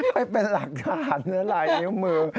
ไม่เป็นหลักฐานนะลายนิ้วมือ